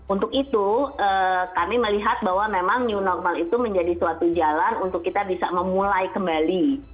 untuk itu kami melihat bahwa memang new normal itu menjadi suatu jalan untuk kita bisa memulai kembali